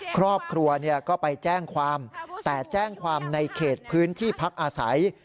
ครอบครัวก็ไปแจ้งความแต่แจ้งความในเขตพื้นที่พักอาศัย